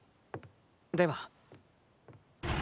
では。